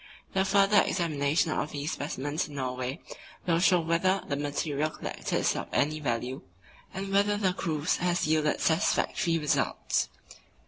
The further examination of these specimens in Norway will show whether the material collected is of any value, and whether the cruise has yielded satisfactory results.